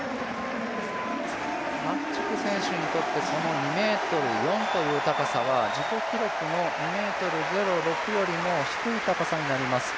マフチク選手にとって２ｍ４という高さは自己記録の２ｍ０６よりも低い高さになります。